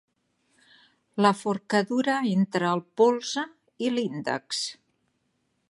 La forcadura entre el polze i l'índex.